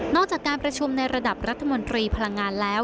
จากการประชุมในระดับรัฐมนตรีพลังงานแล้ว